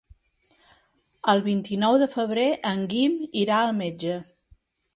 El vint-i-nou de febrer en Guim irà al metge.